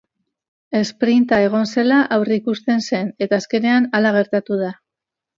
Esprinta egongo zela aurreikusten zen eta azkenean hala gertatu da.